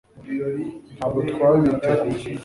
ntabwo twabiteguye